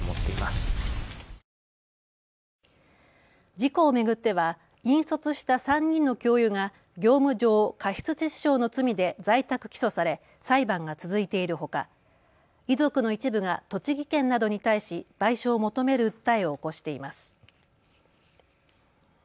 事故を巡っては引率した３人の教諭が業務上過失致死傷の罪で在宅起訴され裁判が続いているほか、遺族の一部が栃木県などに対し賠償を求める訴えを起こしています。